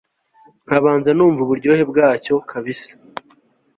nkabanza numva uburyohe bwacyo kabisa